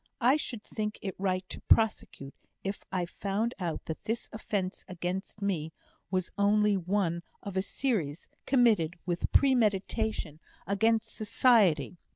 "I should think it right to prosecute, if I found out that this offence against me was only one of a series committed, with premeditation, against society.